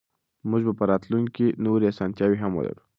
موږ به په راتلونکي کې نورې اسانتیاوې هم ولرو.